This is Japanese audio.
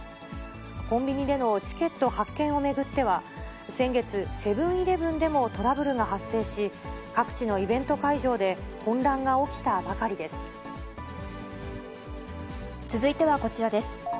コンビニでのチケット発券を巡っては、先月、セブンーイレブンでもトラブルが発生し、各地のイベント会場で混乱が起きたばかりで続いてはこちらです。